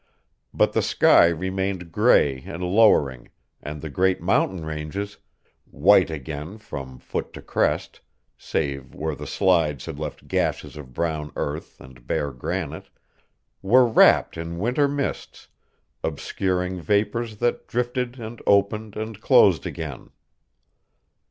But the sky remained gray and lowering, and the great mountain ranges white again from foot to crest, save where the slides had left gashes of brown earth and bare granite were wrapped in winter mists, obscuring vapors that drifted and opened and closed again.